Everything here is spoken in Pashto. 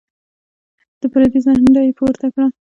د پردې څنډه يې پورته کړه.